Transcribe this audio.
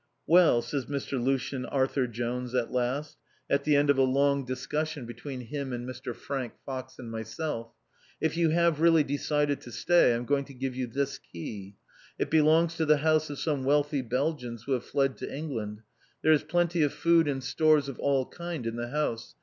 "Well," Says Mr. Lucien Arthur Jones at last, at the end of a long discussion between him and Mr. Frank Fox and myself, "if you have really decided to stay, I'm going to give you this key! It belongs to the house of some wealthy Belgians who have fled to England. There is plenty of food and stores of all kind in the house.